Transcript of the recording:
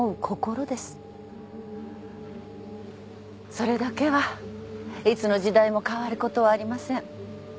それだけはいつの時代も変わることはありません。